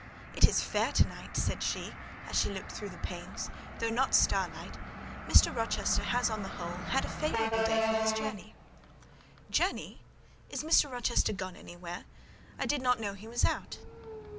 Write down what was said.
"It is fair to night," said she, as she looked through the panes, "though not starlight; Mr. Rochester has, on the whole, had a favourable day for his journey." "Journey!—Is Mr. Rochester gone anywhere? I did not know he was out."